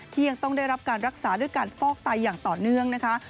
ยังต้องได้รับการรักษาด้วยการฟอกไตอย่างต่อเนื่องนะคะ